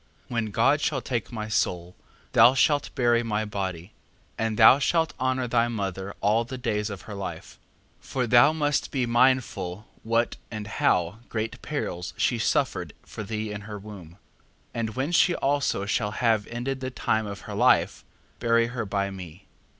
4:3. When God shall take my soul, thou shalt bury my body: and thou shalt honour thy mother all the days of her life: 4:4. For thou must be mindful what and how great perils she suffered for thee in her womb. 4:5. And when she also shall have ended the time of her life, bury her by me.